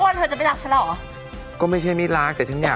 แล้วทำไมอ่ะถ้าฉันปวนเธอจะรักฉันเหรอ